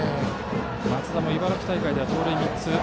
松田も茨城大会で盗塁３つ。